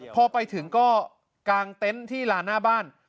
พอไปถึงก็กางเต็นต์ที่ลานหน้าบ้าน